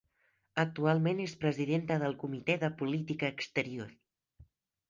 Actualment és presidenta del Comitè de Política Exterior.